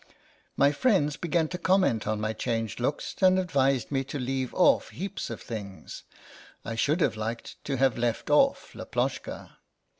My friends began to comment on my changed looks, and advised me to leave off heaps of things. I should have liked to have left off Laploshka.